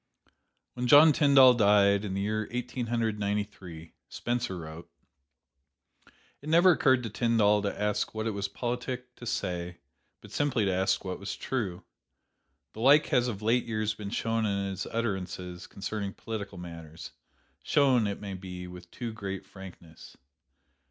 When John Tyndall died, in the year Eighteen Hundred Ninety three, Spencer wrote: "It never occurred to Tyndall to ask what it was politic to say, but simply to ask what was true. The like has of late years been shown in his utterances concerning political matters shown, it may be, with too great frankness.